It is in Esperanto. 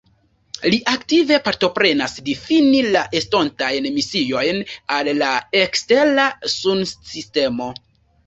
Li aktive partoprenas difini la estontajn misiojn al la ekstera sunsistemo.